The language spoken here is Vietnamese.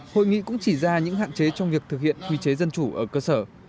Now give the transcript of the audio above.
hội nghị cũng chỉ ra những hạn chế trong việc thực hiện quy chế dân chủ ở cơ sở